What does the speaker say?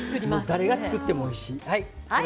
誰が作ってもおいしい。